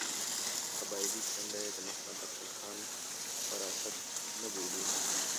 قبایلي څنډه یې د محمد افضل خان وراثت نه بولي.